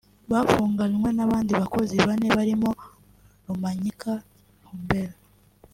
Bafunganywe n’abandi bakozi bane barimo Rumanyika Hubert